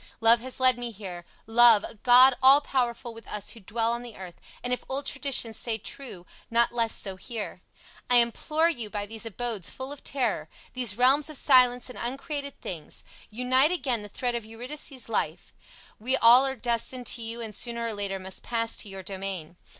Love has led me here, Love, a god all powerful with us who dwell on the earth, and, if old traditions say true, not less so here. I implore you by these abodes full of terror, these realms of silence and uncreated things, unite again the thread of Eurydice's life. We all are destined to you and sooner or later must pass to your domain.